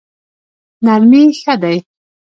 نرمي ښه دی.